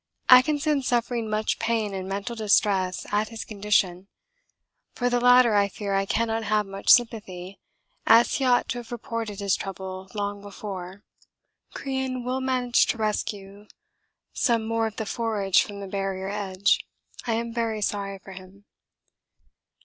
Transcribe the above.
Atkinson suffering much pain and mental distress at his condition for the latter I fear I cannot have much sympathy, as he ought to have reported his trouble long before. Crean will manage to rescue some more of the forage from the Barrier edge I am very sorry for him.